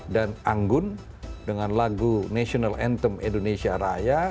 dan anggun dengan lagu national anthem indonesia raya